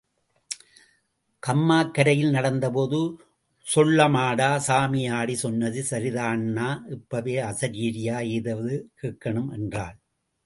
கம்மாக்கரையில் நடந்தபோது, சொள்ளமாடா... சாமியாடி... சொன்னது சரிதான்னா இப்பவே அசரீரியா ஏதாவது கேக்கணும் என்றாள்.